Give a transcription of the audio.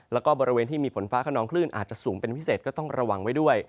แล้วก็บริเวณที่มีฝนฟ้าขนองคลื่นอาจจะสูงเป็นพิเศษก็ต้องระวังไว้ด้วย